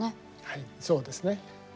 はいそうですね。